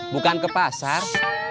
bukan ke pasar